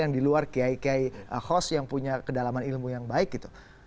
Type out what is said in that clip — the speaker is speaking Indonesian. yang di luar kiai kiai khos yang punya kedalaman ilmu yang baik gitu